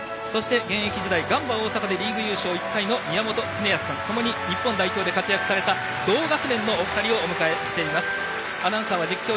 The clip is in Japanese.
現役時代ガンバ大阪でリーグ優勝１回の宮本恒靖さん、ともに日本代表で活躍された同学年の２人をお迎えしています。